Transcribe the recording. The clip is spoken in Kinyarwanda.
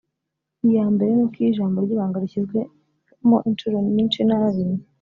Iya mbere ni uko iyo ijambo ry’ibanga rishyizwemo inshuro nyinshi nabi